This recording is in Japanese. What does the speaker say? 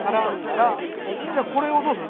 じゃあこれをどうする？